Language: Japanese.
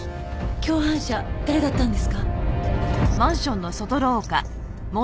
共犯者誰だったんですか？